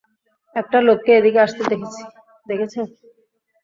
একটা লোককে এদিকে আসতে দেখেছো?